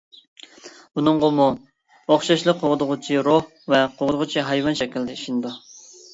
بۇنىڭغىمۇ ئوخشاشلا قوغدىغۇچى روھ ۋە قوغدىغۇچى ھايۋان شەكلىدە ئىشىنىدۇ.